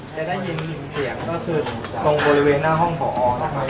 จะได้ยินเสียงก็คือตรงบริเวณหน้าห้องผอนะครับ